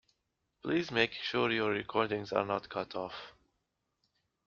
Please make sure your recordings are not cut off.